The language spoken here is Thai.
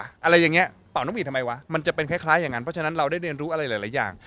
อะไรอย่างนี้เป่านกหวีดทำไมวะมันจะเป็นคล้ายอย่างนั้นเพราะฉะนั้นเราได้เรียนรู้อะไรหลายอย่าง